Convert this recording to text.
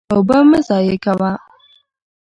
اوبه مه ضایع کوه.